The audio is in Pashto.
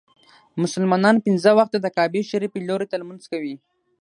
مسلمانان پنځه وخته د کعبې شريفي لوري ته لمونځ کوي.